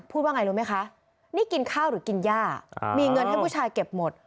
ว่าไงรู้ไหมคะนี่กินข้าวหรือกินย่ามีเงินให้ผู้ชายเก็บหมด